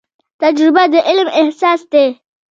تجربه د علم اساس دی